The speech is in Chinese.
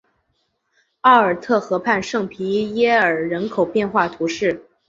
奥尔特河畔圣皮耶尔人口变化图示